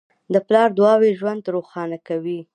د پلار دعاوې ژوند روښانه کوي.